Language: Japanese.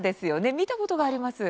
見たことがあります。